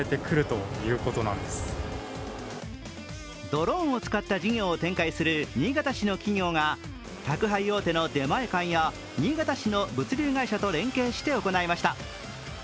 ドローンを使った事業を展開する新潟市の企業が宅配大手の出前館や新潟市の物流会社と連携して行いました。